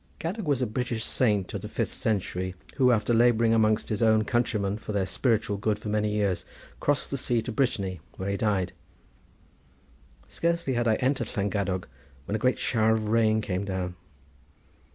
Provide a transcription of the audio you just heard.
Gadog was a British saint of the fifth century, who after labouring amongst his own countrymen for their spiritual good for many years, crossed the sea to Brittany, where he died. Scarcely had I entered Llangadog when a great shower of rain came down.